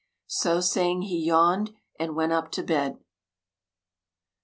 So saying, he yawned and went up to bed.